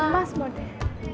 mas mau deh